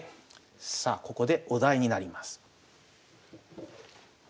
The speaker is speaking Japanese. さあここでお題になります。